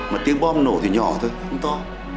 mà tiếng bom nổ thì nhỏ thôi không to